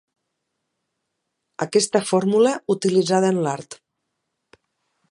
Aquesta fórmula utilitzada en l’art.